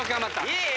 いい！